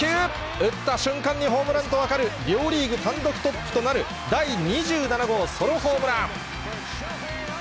打った瞬間にホームランと分かる、両リーグ単独トップとなる第２７号ソロホームラン。